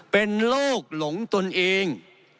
เป็นโรคหลงตนเอง